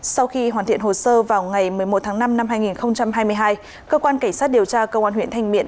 sau khi hoàn thiện hồ sơ vào ngày một mươi một tháng năm năm hai nghìn hai mươi hai cơ quan cảnh sát điều tra công an huyện thanh miện